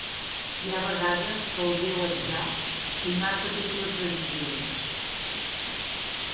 Hi ha vegades que el deu Atzar li marca totes les decisions.